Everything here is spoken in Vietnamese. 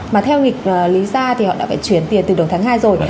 mà theo nghịch lý ra thì họ đã phải chuyển tiền từ đầu tháng hai rồi